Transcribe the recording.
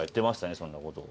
そんなこと。